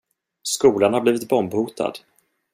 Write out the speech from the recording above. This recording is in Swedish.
Skolan har blivit bombhotad.